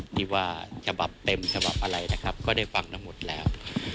ที่ว่าฉบับเต็มฉบับอะไรนะครับก็ได้ฟังทั้งหมดแล้ว